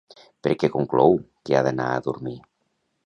Per què conclou que ha d'anar a dormir?